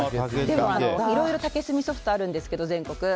いろいろ竹炭ソフトがあるんですけど、全国に。